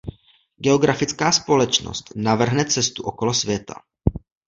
Geografická společnost navrhne cestu okolo světa.